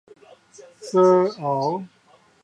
鎖喉